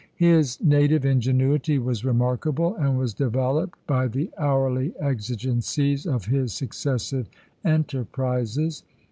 His native ingenuity was remarkable, and was developed by the hourly exigencies of his successive enterprises.